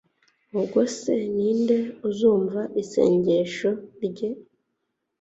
ubwo se ni nde uzumva isengesho rye